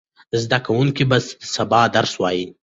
زده کوونکي به سبا درس وایي.